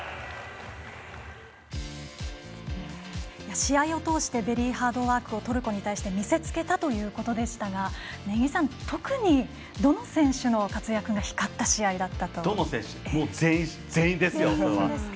試合を通してベリーハードワークをトルコに対して見せつけたということでしたが根木さん、特にどの選手の活躍が光った試合だったと思いますか？